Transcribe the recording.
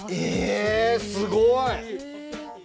えすごい！